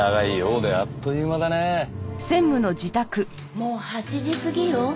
もう８時過ぎよ。